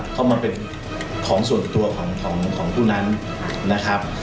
เพราะมันเป็นของส่วนตัวของผู้นั้นนะครับ